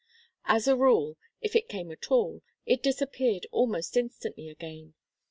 As a rule, if it came at all, it disappeared almost instantly again.